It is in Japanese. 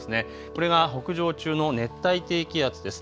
これが北上中の熱帯低気圧です。